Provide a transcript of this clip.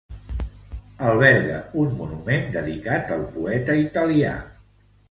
Alberga un monument dedicat al poeta italià.